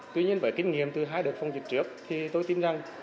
tuy nhiên với kinh nghiệm từ hai đợt phòng dịch trước thì tôi tin rằng